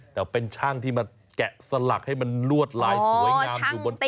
แต่เป็นช่างที่มาแกะสลักให้มันลวดลายสวยงามอยู่บนตัว